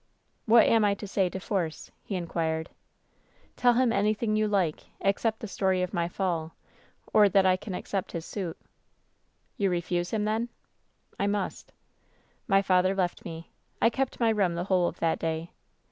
" ^hat am I to say to Force V he inquired. " ^Tell him anything you like — except the story of my fall — or that I can accept his suit.' " 'You refuse him, then V " 'I must.' "My father left me. "I kept my room the whole of that day.